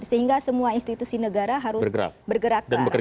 sehingga semua institusi negara harus bergerak